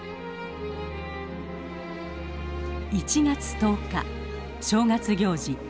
１月１０日正月行事